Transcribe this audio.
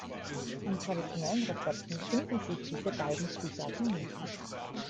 In traditionellen Rezepten finden sich diese beiden Zutaten nicht.